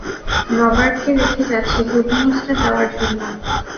রবার্টকে রেখে যাচ্ছি গুড নিউজটা দেওয়ার জন্য!